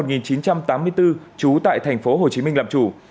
trú tại thành phố hồ chí minh làm chủ